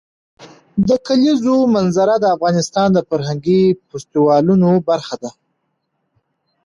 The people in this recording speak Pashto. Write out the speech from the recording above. د کلیزو منظره د افغانستان د فرهنګي فستیوالونو برخه ده.